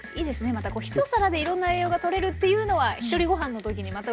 また一皿でいろんな栄養がとれるっていうのはひとりごはんの時にまたうれしいですよね。